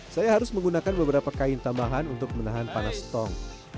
saya harus menggunakan beberapa kain tambahan untuk menahan panas tong